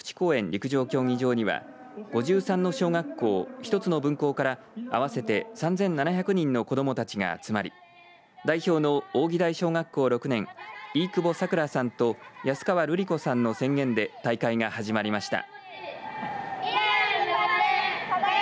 陸上競技場には５３の小学校１つの分校から合わせて３７００人の子どもたちが集まり代表の扇台小学校６年飯窪咲良さんと安川瑠璃子さんが宣言して大会が行われました。